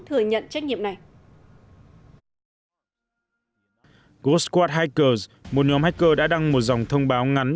thừa nhận trách nhiệm này ghost squad hackers một nhóm hacker đã đăng một dòng thông báo ngắn